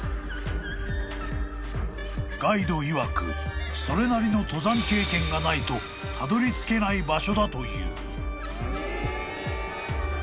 ［ガイドいわくそれなりの登山経験がないとたどりつけない場所だという］